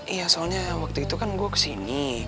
iya soalnya waktu itu kan gue kesini